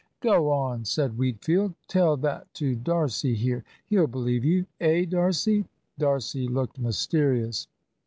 "Go on," said Wheatfield; "tell that to D'Arcy here he'll believe you eh, D'Arcy?" D'Arcy looked mysterious.